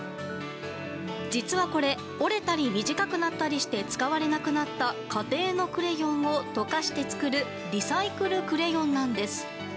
実はこれ折れたり短くなったりして使われなくなった家庭のクレヨンを溶かして作るリサイクルクレヨンなんです。